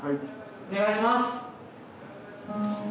お願いします。